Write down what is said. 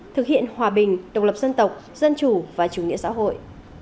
thực hiện hòa bình độc lập dân tộc dân chủ và chủ nghĩa xã hội